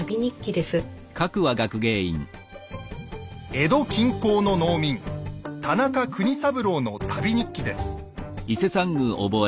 江戸近郊の農民田中国三郎の旅日記です。